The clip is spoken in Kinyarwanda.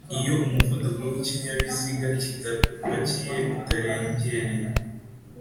iyo umuvuduko w'ikinyabiziga kidapakiye utarengereye